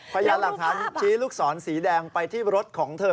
พยายามหลักฐานชี้ลูกศรสีแดงไปที่รถของเธอ